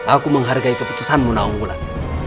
aku menghargai keputusanmu naung gulat